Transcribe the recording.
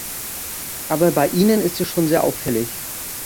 Aber bei Ihnen ist es schon sehr auffällig.